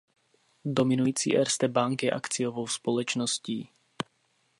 Dominující Erste Bank je akciovou společností.